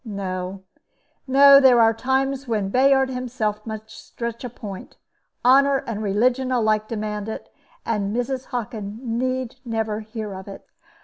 No, no; there are times when Bayard himself must stretch a point. Honor and religion alike demand it; and Mrs. Hockin need never hear of it."